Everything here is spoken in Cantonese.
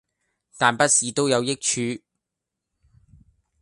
但不是都有益處